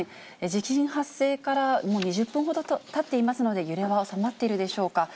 地震発生からもう２０分ほどたっていますので、揺れは収まっているでしょうか。